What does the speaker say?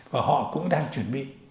và họ cũng đang chuẩn bị